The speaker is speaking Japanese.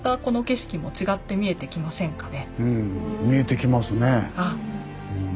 うん見えてきますね。